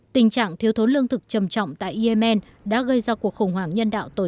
tình trạng thiếu thốn lương thực trầm trọng tại yemen đã gây ra cuộc khủng hoảng nhân đạo tồi tệ